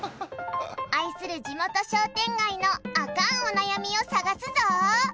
愛する地元商店街のアカンお悩みを探すぞ！